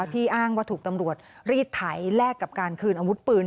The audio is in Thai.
ที่อ้างว่าถูกตำรวจรีดไถแลกกับการคืนอาวุธปืน